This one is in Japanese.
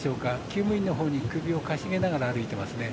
きゅう務員のほうに首をかしげながら歩いていますね。